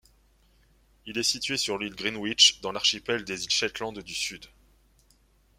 Il est situé sur l'île Greenwich, dans l'archipel des Îles Shetland du Sud.